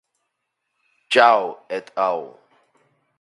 Zhao "et al.